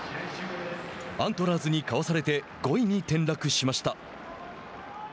アントラーズにかわされて５位に転落しました。